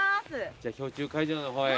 じゃあ氷柱会場の方へ。